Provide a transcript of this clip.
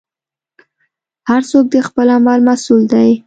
هر څوک د خپل عمل مسوول دی.